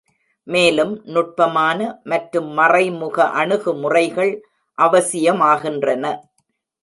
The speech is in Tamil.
மேலும் நுட்பமான மற்றும் மறைமுக அணுகுமுறைகள் அவசியமாகின்றன.